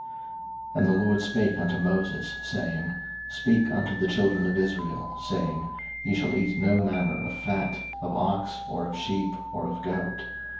03:007:022 And the LORD spake unto Moses, saying, 03:007:023 Speak unto the children of Israel, saying, Ye shall eat no manner of fat, of ox, or of sheep, or of goat.